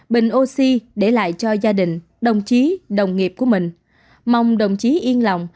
bình ô si để lại cho gia đình đồng chí đồng nghiệp của mình mong đồng chí yên lòng